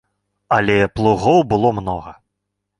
Але плугоў было многа.